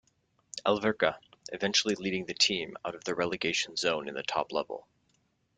Alverca, eventually leading the team out of the relegation zone in the top level.